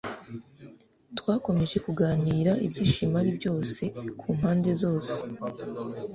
Twakomeje kuganira ibyishimo ari byose kumpande zose